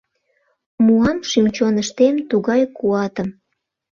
Муам шӱм-чоныштем тугай куатым